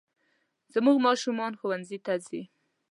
زموږ ماشومان ښوونځي ته ځي